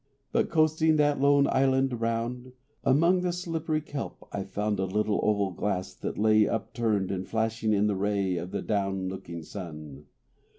But, coasting that lone island round, Among the slippery kelp I found A little oval glass that lay Upturned and flashing in the ray Of the down looking sun.